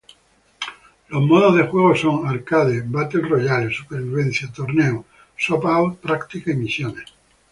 Los modos de juego son "Arcade", "Battle Royale", "Supervivencia", "Torneo", "Swap-Out", "Práctica", y "Misiones".